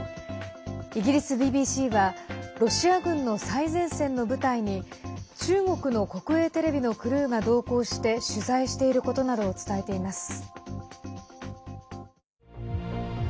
イギリスＢＢＣはロシア軍の最前線の部隊に中国の国営テレビのクルーが同行して取材していることなどを伝えています。